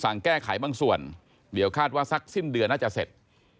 แก้ไขบางส่วนเดี๋ยวคาดว่าสักสิ้นเดือนน่าจะเสร็จ